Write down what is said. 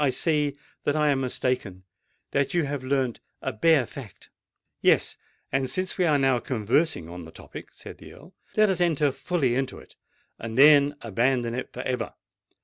"I see that I am mistaken—that you have learnt a bare fact——" "Yes: and since we are now conversing on the topic," said the Earl, "let us enter fully into it and then abandon it for ever.